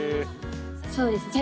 そうですね。